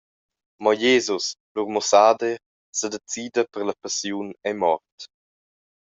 Mo Jesus, lur mussader, sedecida per la passiun e mort.